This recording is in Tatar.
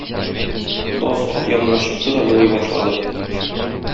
Таз ат янына чыкты да елый башлады.